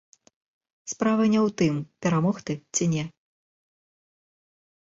Справа не ў тым, перамог ты ці не.